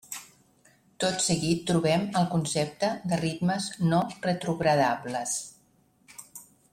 Tot seguit trobem el concepte de ritmes no retrogradables.